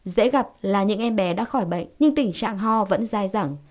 dễ gặp là những em bé đã khỏi bệnh nhưng tình trạng ho vẫn dai dẳng